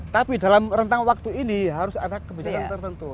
tapi dalam rentang waktu ini harus ada kebijakan tertentu